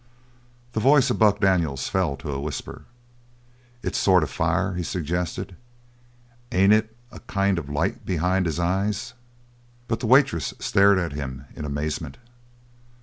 The voice of Buck Daniels fell to a whisper. "It's sort of fire," he suggested. "Ain't it a kind of light behind his eyes?" But the waitress stared at him in amazement.